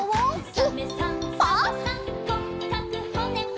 「サメさんサバさん」